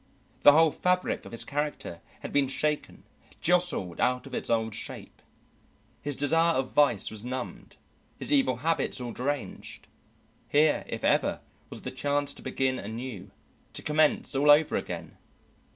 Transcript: The whole fabric of his character had been shaken, jostled out of its old shape. His desire of vice was numbed, his evil habits all deranged; here, if ever, was the chance to begin anew, to commence all over again.